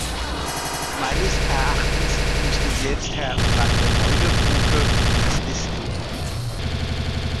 Meines Erachtens müsste selbst Herr Vandemeulebroucke dies wissen.